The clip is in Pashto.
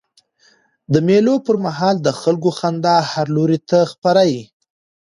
د مېلو پر مهال د خلکو خندا هر لور ته خپره يي.